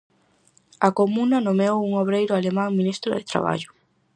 A Comuna nomeou un obreiro alemán ministro de Traballo.